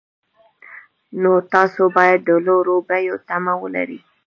نو تاسو باید د لوړو بیو تمه ولرئ